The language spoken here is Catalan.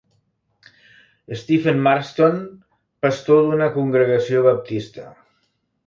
Stephen Marston, pastor d'una congregació baptista.